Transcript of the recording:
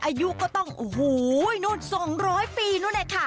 อายุก็ต้อง๒๐๐ปีนู่นแหละค่ะ